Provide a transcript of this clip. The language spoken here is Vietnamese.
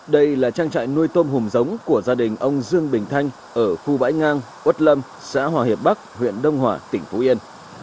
đây là trang trại nuôi tôm hùm giống của gia đình ông dương bình thanh ở khu bãi ngang quất lâm xã hòa hiệp bắc huyện đông hòa tỉnh phú yên